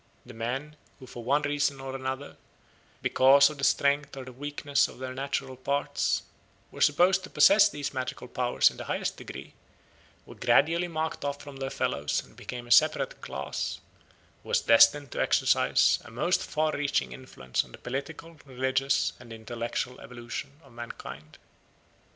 The men who for one reason or another, because of the strength or the weakness of their natural parts, were supposed to possess these magical powers in the highest degree, were gradually marked off from their fellows and became a separate class, who were destined to exercise a most far reaching influence on the political, religious, and intellectual evolution of mankind.